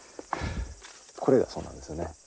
これがそうなんですね。